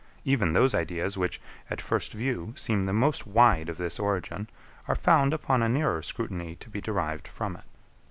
Even those ideas, which, at first view, seem the most wide of this origin, are found, upon a nearer scrutiny, to be derived from it.